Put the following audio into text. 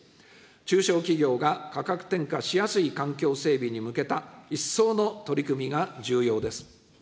中小企業が価格転嫁しやすい環境整備に向けた、一層の取り組みが重要です。